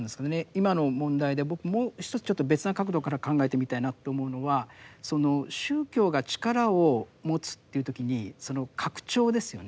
今の問題で僕もう一つちょっと別な角度から考えてみたいなと思うのはその宗教が力を持つっていう時にその拡張ですよね